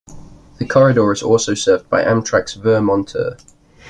The corridor is also served by Amtrak's Vermonter.